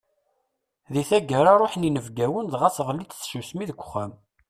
Di tagara, ruḥen inebgawen, dɣa teɣlid tsusmi deg uxxam.